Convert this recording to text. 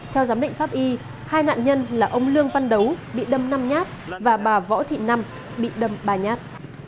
theo giám định pháp y hai nạn nhân là ông lương văn đấu bị đâm năm nhát và bà võ thị năm bị đâm ba nhát